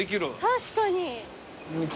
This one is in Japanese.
確かに。